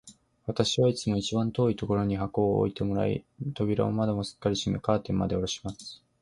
私はいつも一番遠いところに箱を置いてもらい、扉も窓もすっかり閉め、カーテンまでおろします。そうすると、それでまず、どうにか聞けるのでした。